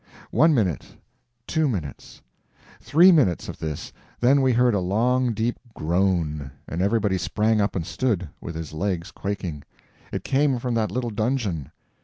One minute—two minutes—three minutes of this, then we heard a long deep groan, and everybody sprang up and stood, with his legs quaking. It came from that little dungeon.